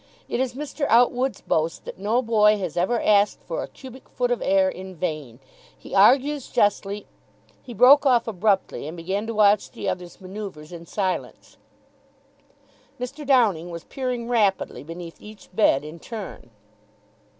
It is Mr. Outwood's boast that no boy has ever asked for a cubic foot of air in vain. He argues justly " He broke off abruptly and began to watch the other's manoeuvres in silence. Mr. Downing was peering rapidly beneath each bed in turn.